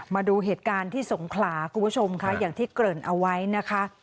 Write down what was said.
มาดูเหตุการณ์ที่สงขลาคุณผู้ชมค่ะอย่างที่เกริ่นเอาไว้นะคะ